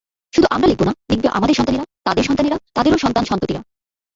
শুধু আমরা লিখব না, লিখবে আমাদের সন্তানেরা, তাদের সন্তানেরা, তাদেরও সন্তান-সন্ততিরা।